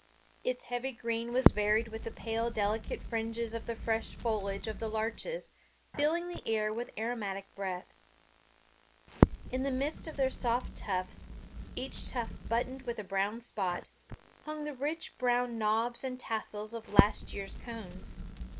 Its heavy green was varied with the pale delicate fringes of the fresh foliage of the larches, filling the air with aromatic breath. In the midst of their soft tufts, each tuft buttoned with a brown spot, hung the rich brown knobs and tassels of last year's cones.